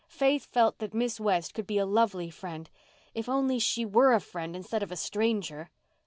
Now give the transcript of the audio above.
Faith felt that Miss West could be a lovely friend—if only she were a friend instead of a stranger!